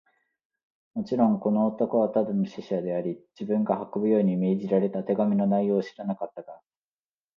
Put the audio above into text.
もちろん、この男はただの使者であり、自分が運ぶように命じられた手紙の内容を知らなかったが、